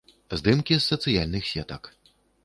Здымкі з сацыяльных сетак.